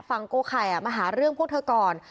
โกไข่มาหาเรื่องพวกเธอก่อน